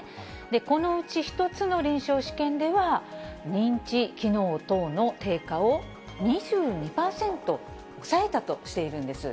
このうち１つの臨床試験では、認知機能等の低下を２２％抑えたとしているんです。